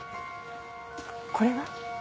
これは？